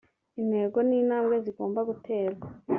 intego n’intambwe zigomba guterwa